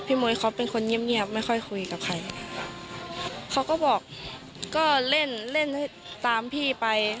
มวยเขาเป็นคนเงียบเงียบไม่ค่อยคุยกับใครเขาก็บอกก็เล่นเล่นตามพี่ไป